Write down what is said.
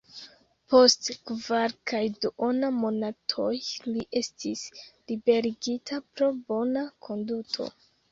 Post kvar kaj duona monatoj li estis liberigita pro bona konduto.